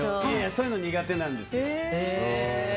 そういうの苦手なんですよ。